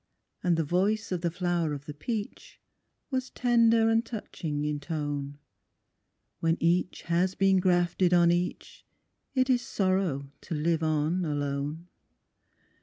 And the voice of the flower of the peach Was tender and touching in tone, "When each has been grafted on each, It is sorrow to live on alone."